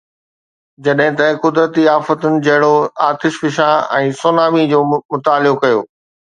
جڏهن ته قدرتي آفتن جهڙوڪ آتش فشان ۽ سونامي جو مطالعو ڪيو.